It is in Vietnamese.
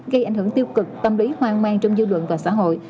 gây ảnh hưởng tiêu cực tâm lý hoang mang trong dư luận và xã hội